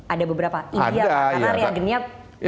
ada beberapa india kenya amerika